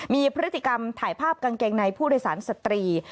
มีพฤติกรรมถ่ายภาพกางเกงในผู้โดยสารสตรี